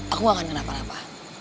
aku akan kenapa napa